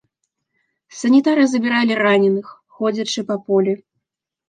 Санітары забіралі раненых, ходзячы па полі.